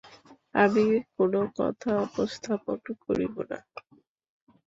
আমি কোনো কথা উত্থাপন করিব না।